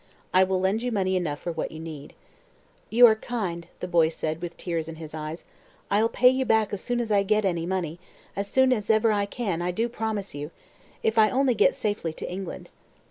I will lend you money enough for what you need." "You are kind," the boy said, with tears in his eyes. "I'll pay you back as soon as I get any money as soon as ever I can, I do promise you if only I get safely to England."